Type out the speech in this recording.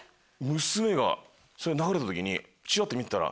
娘がそれ流れた時にちらって見てたら。